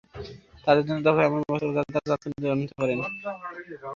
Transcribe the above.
তাদের জন্য দরকার এমন ব্যবস্থা করা, যাতে তারা তাৎক্ষণিক জানতে পারে।